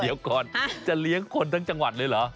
เดี๋ยวก่อนจะเลี้ยงคนทั้งจังหวัดเลยเหรอ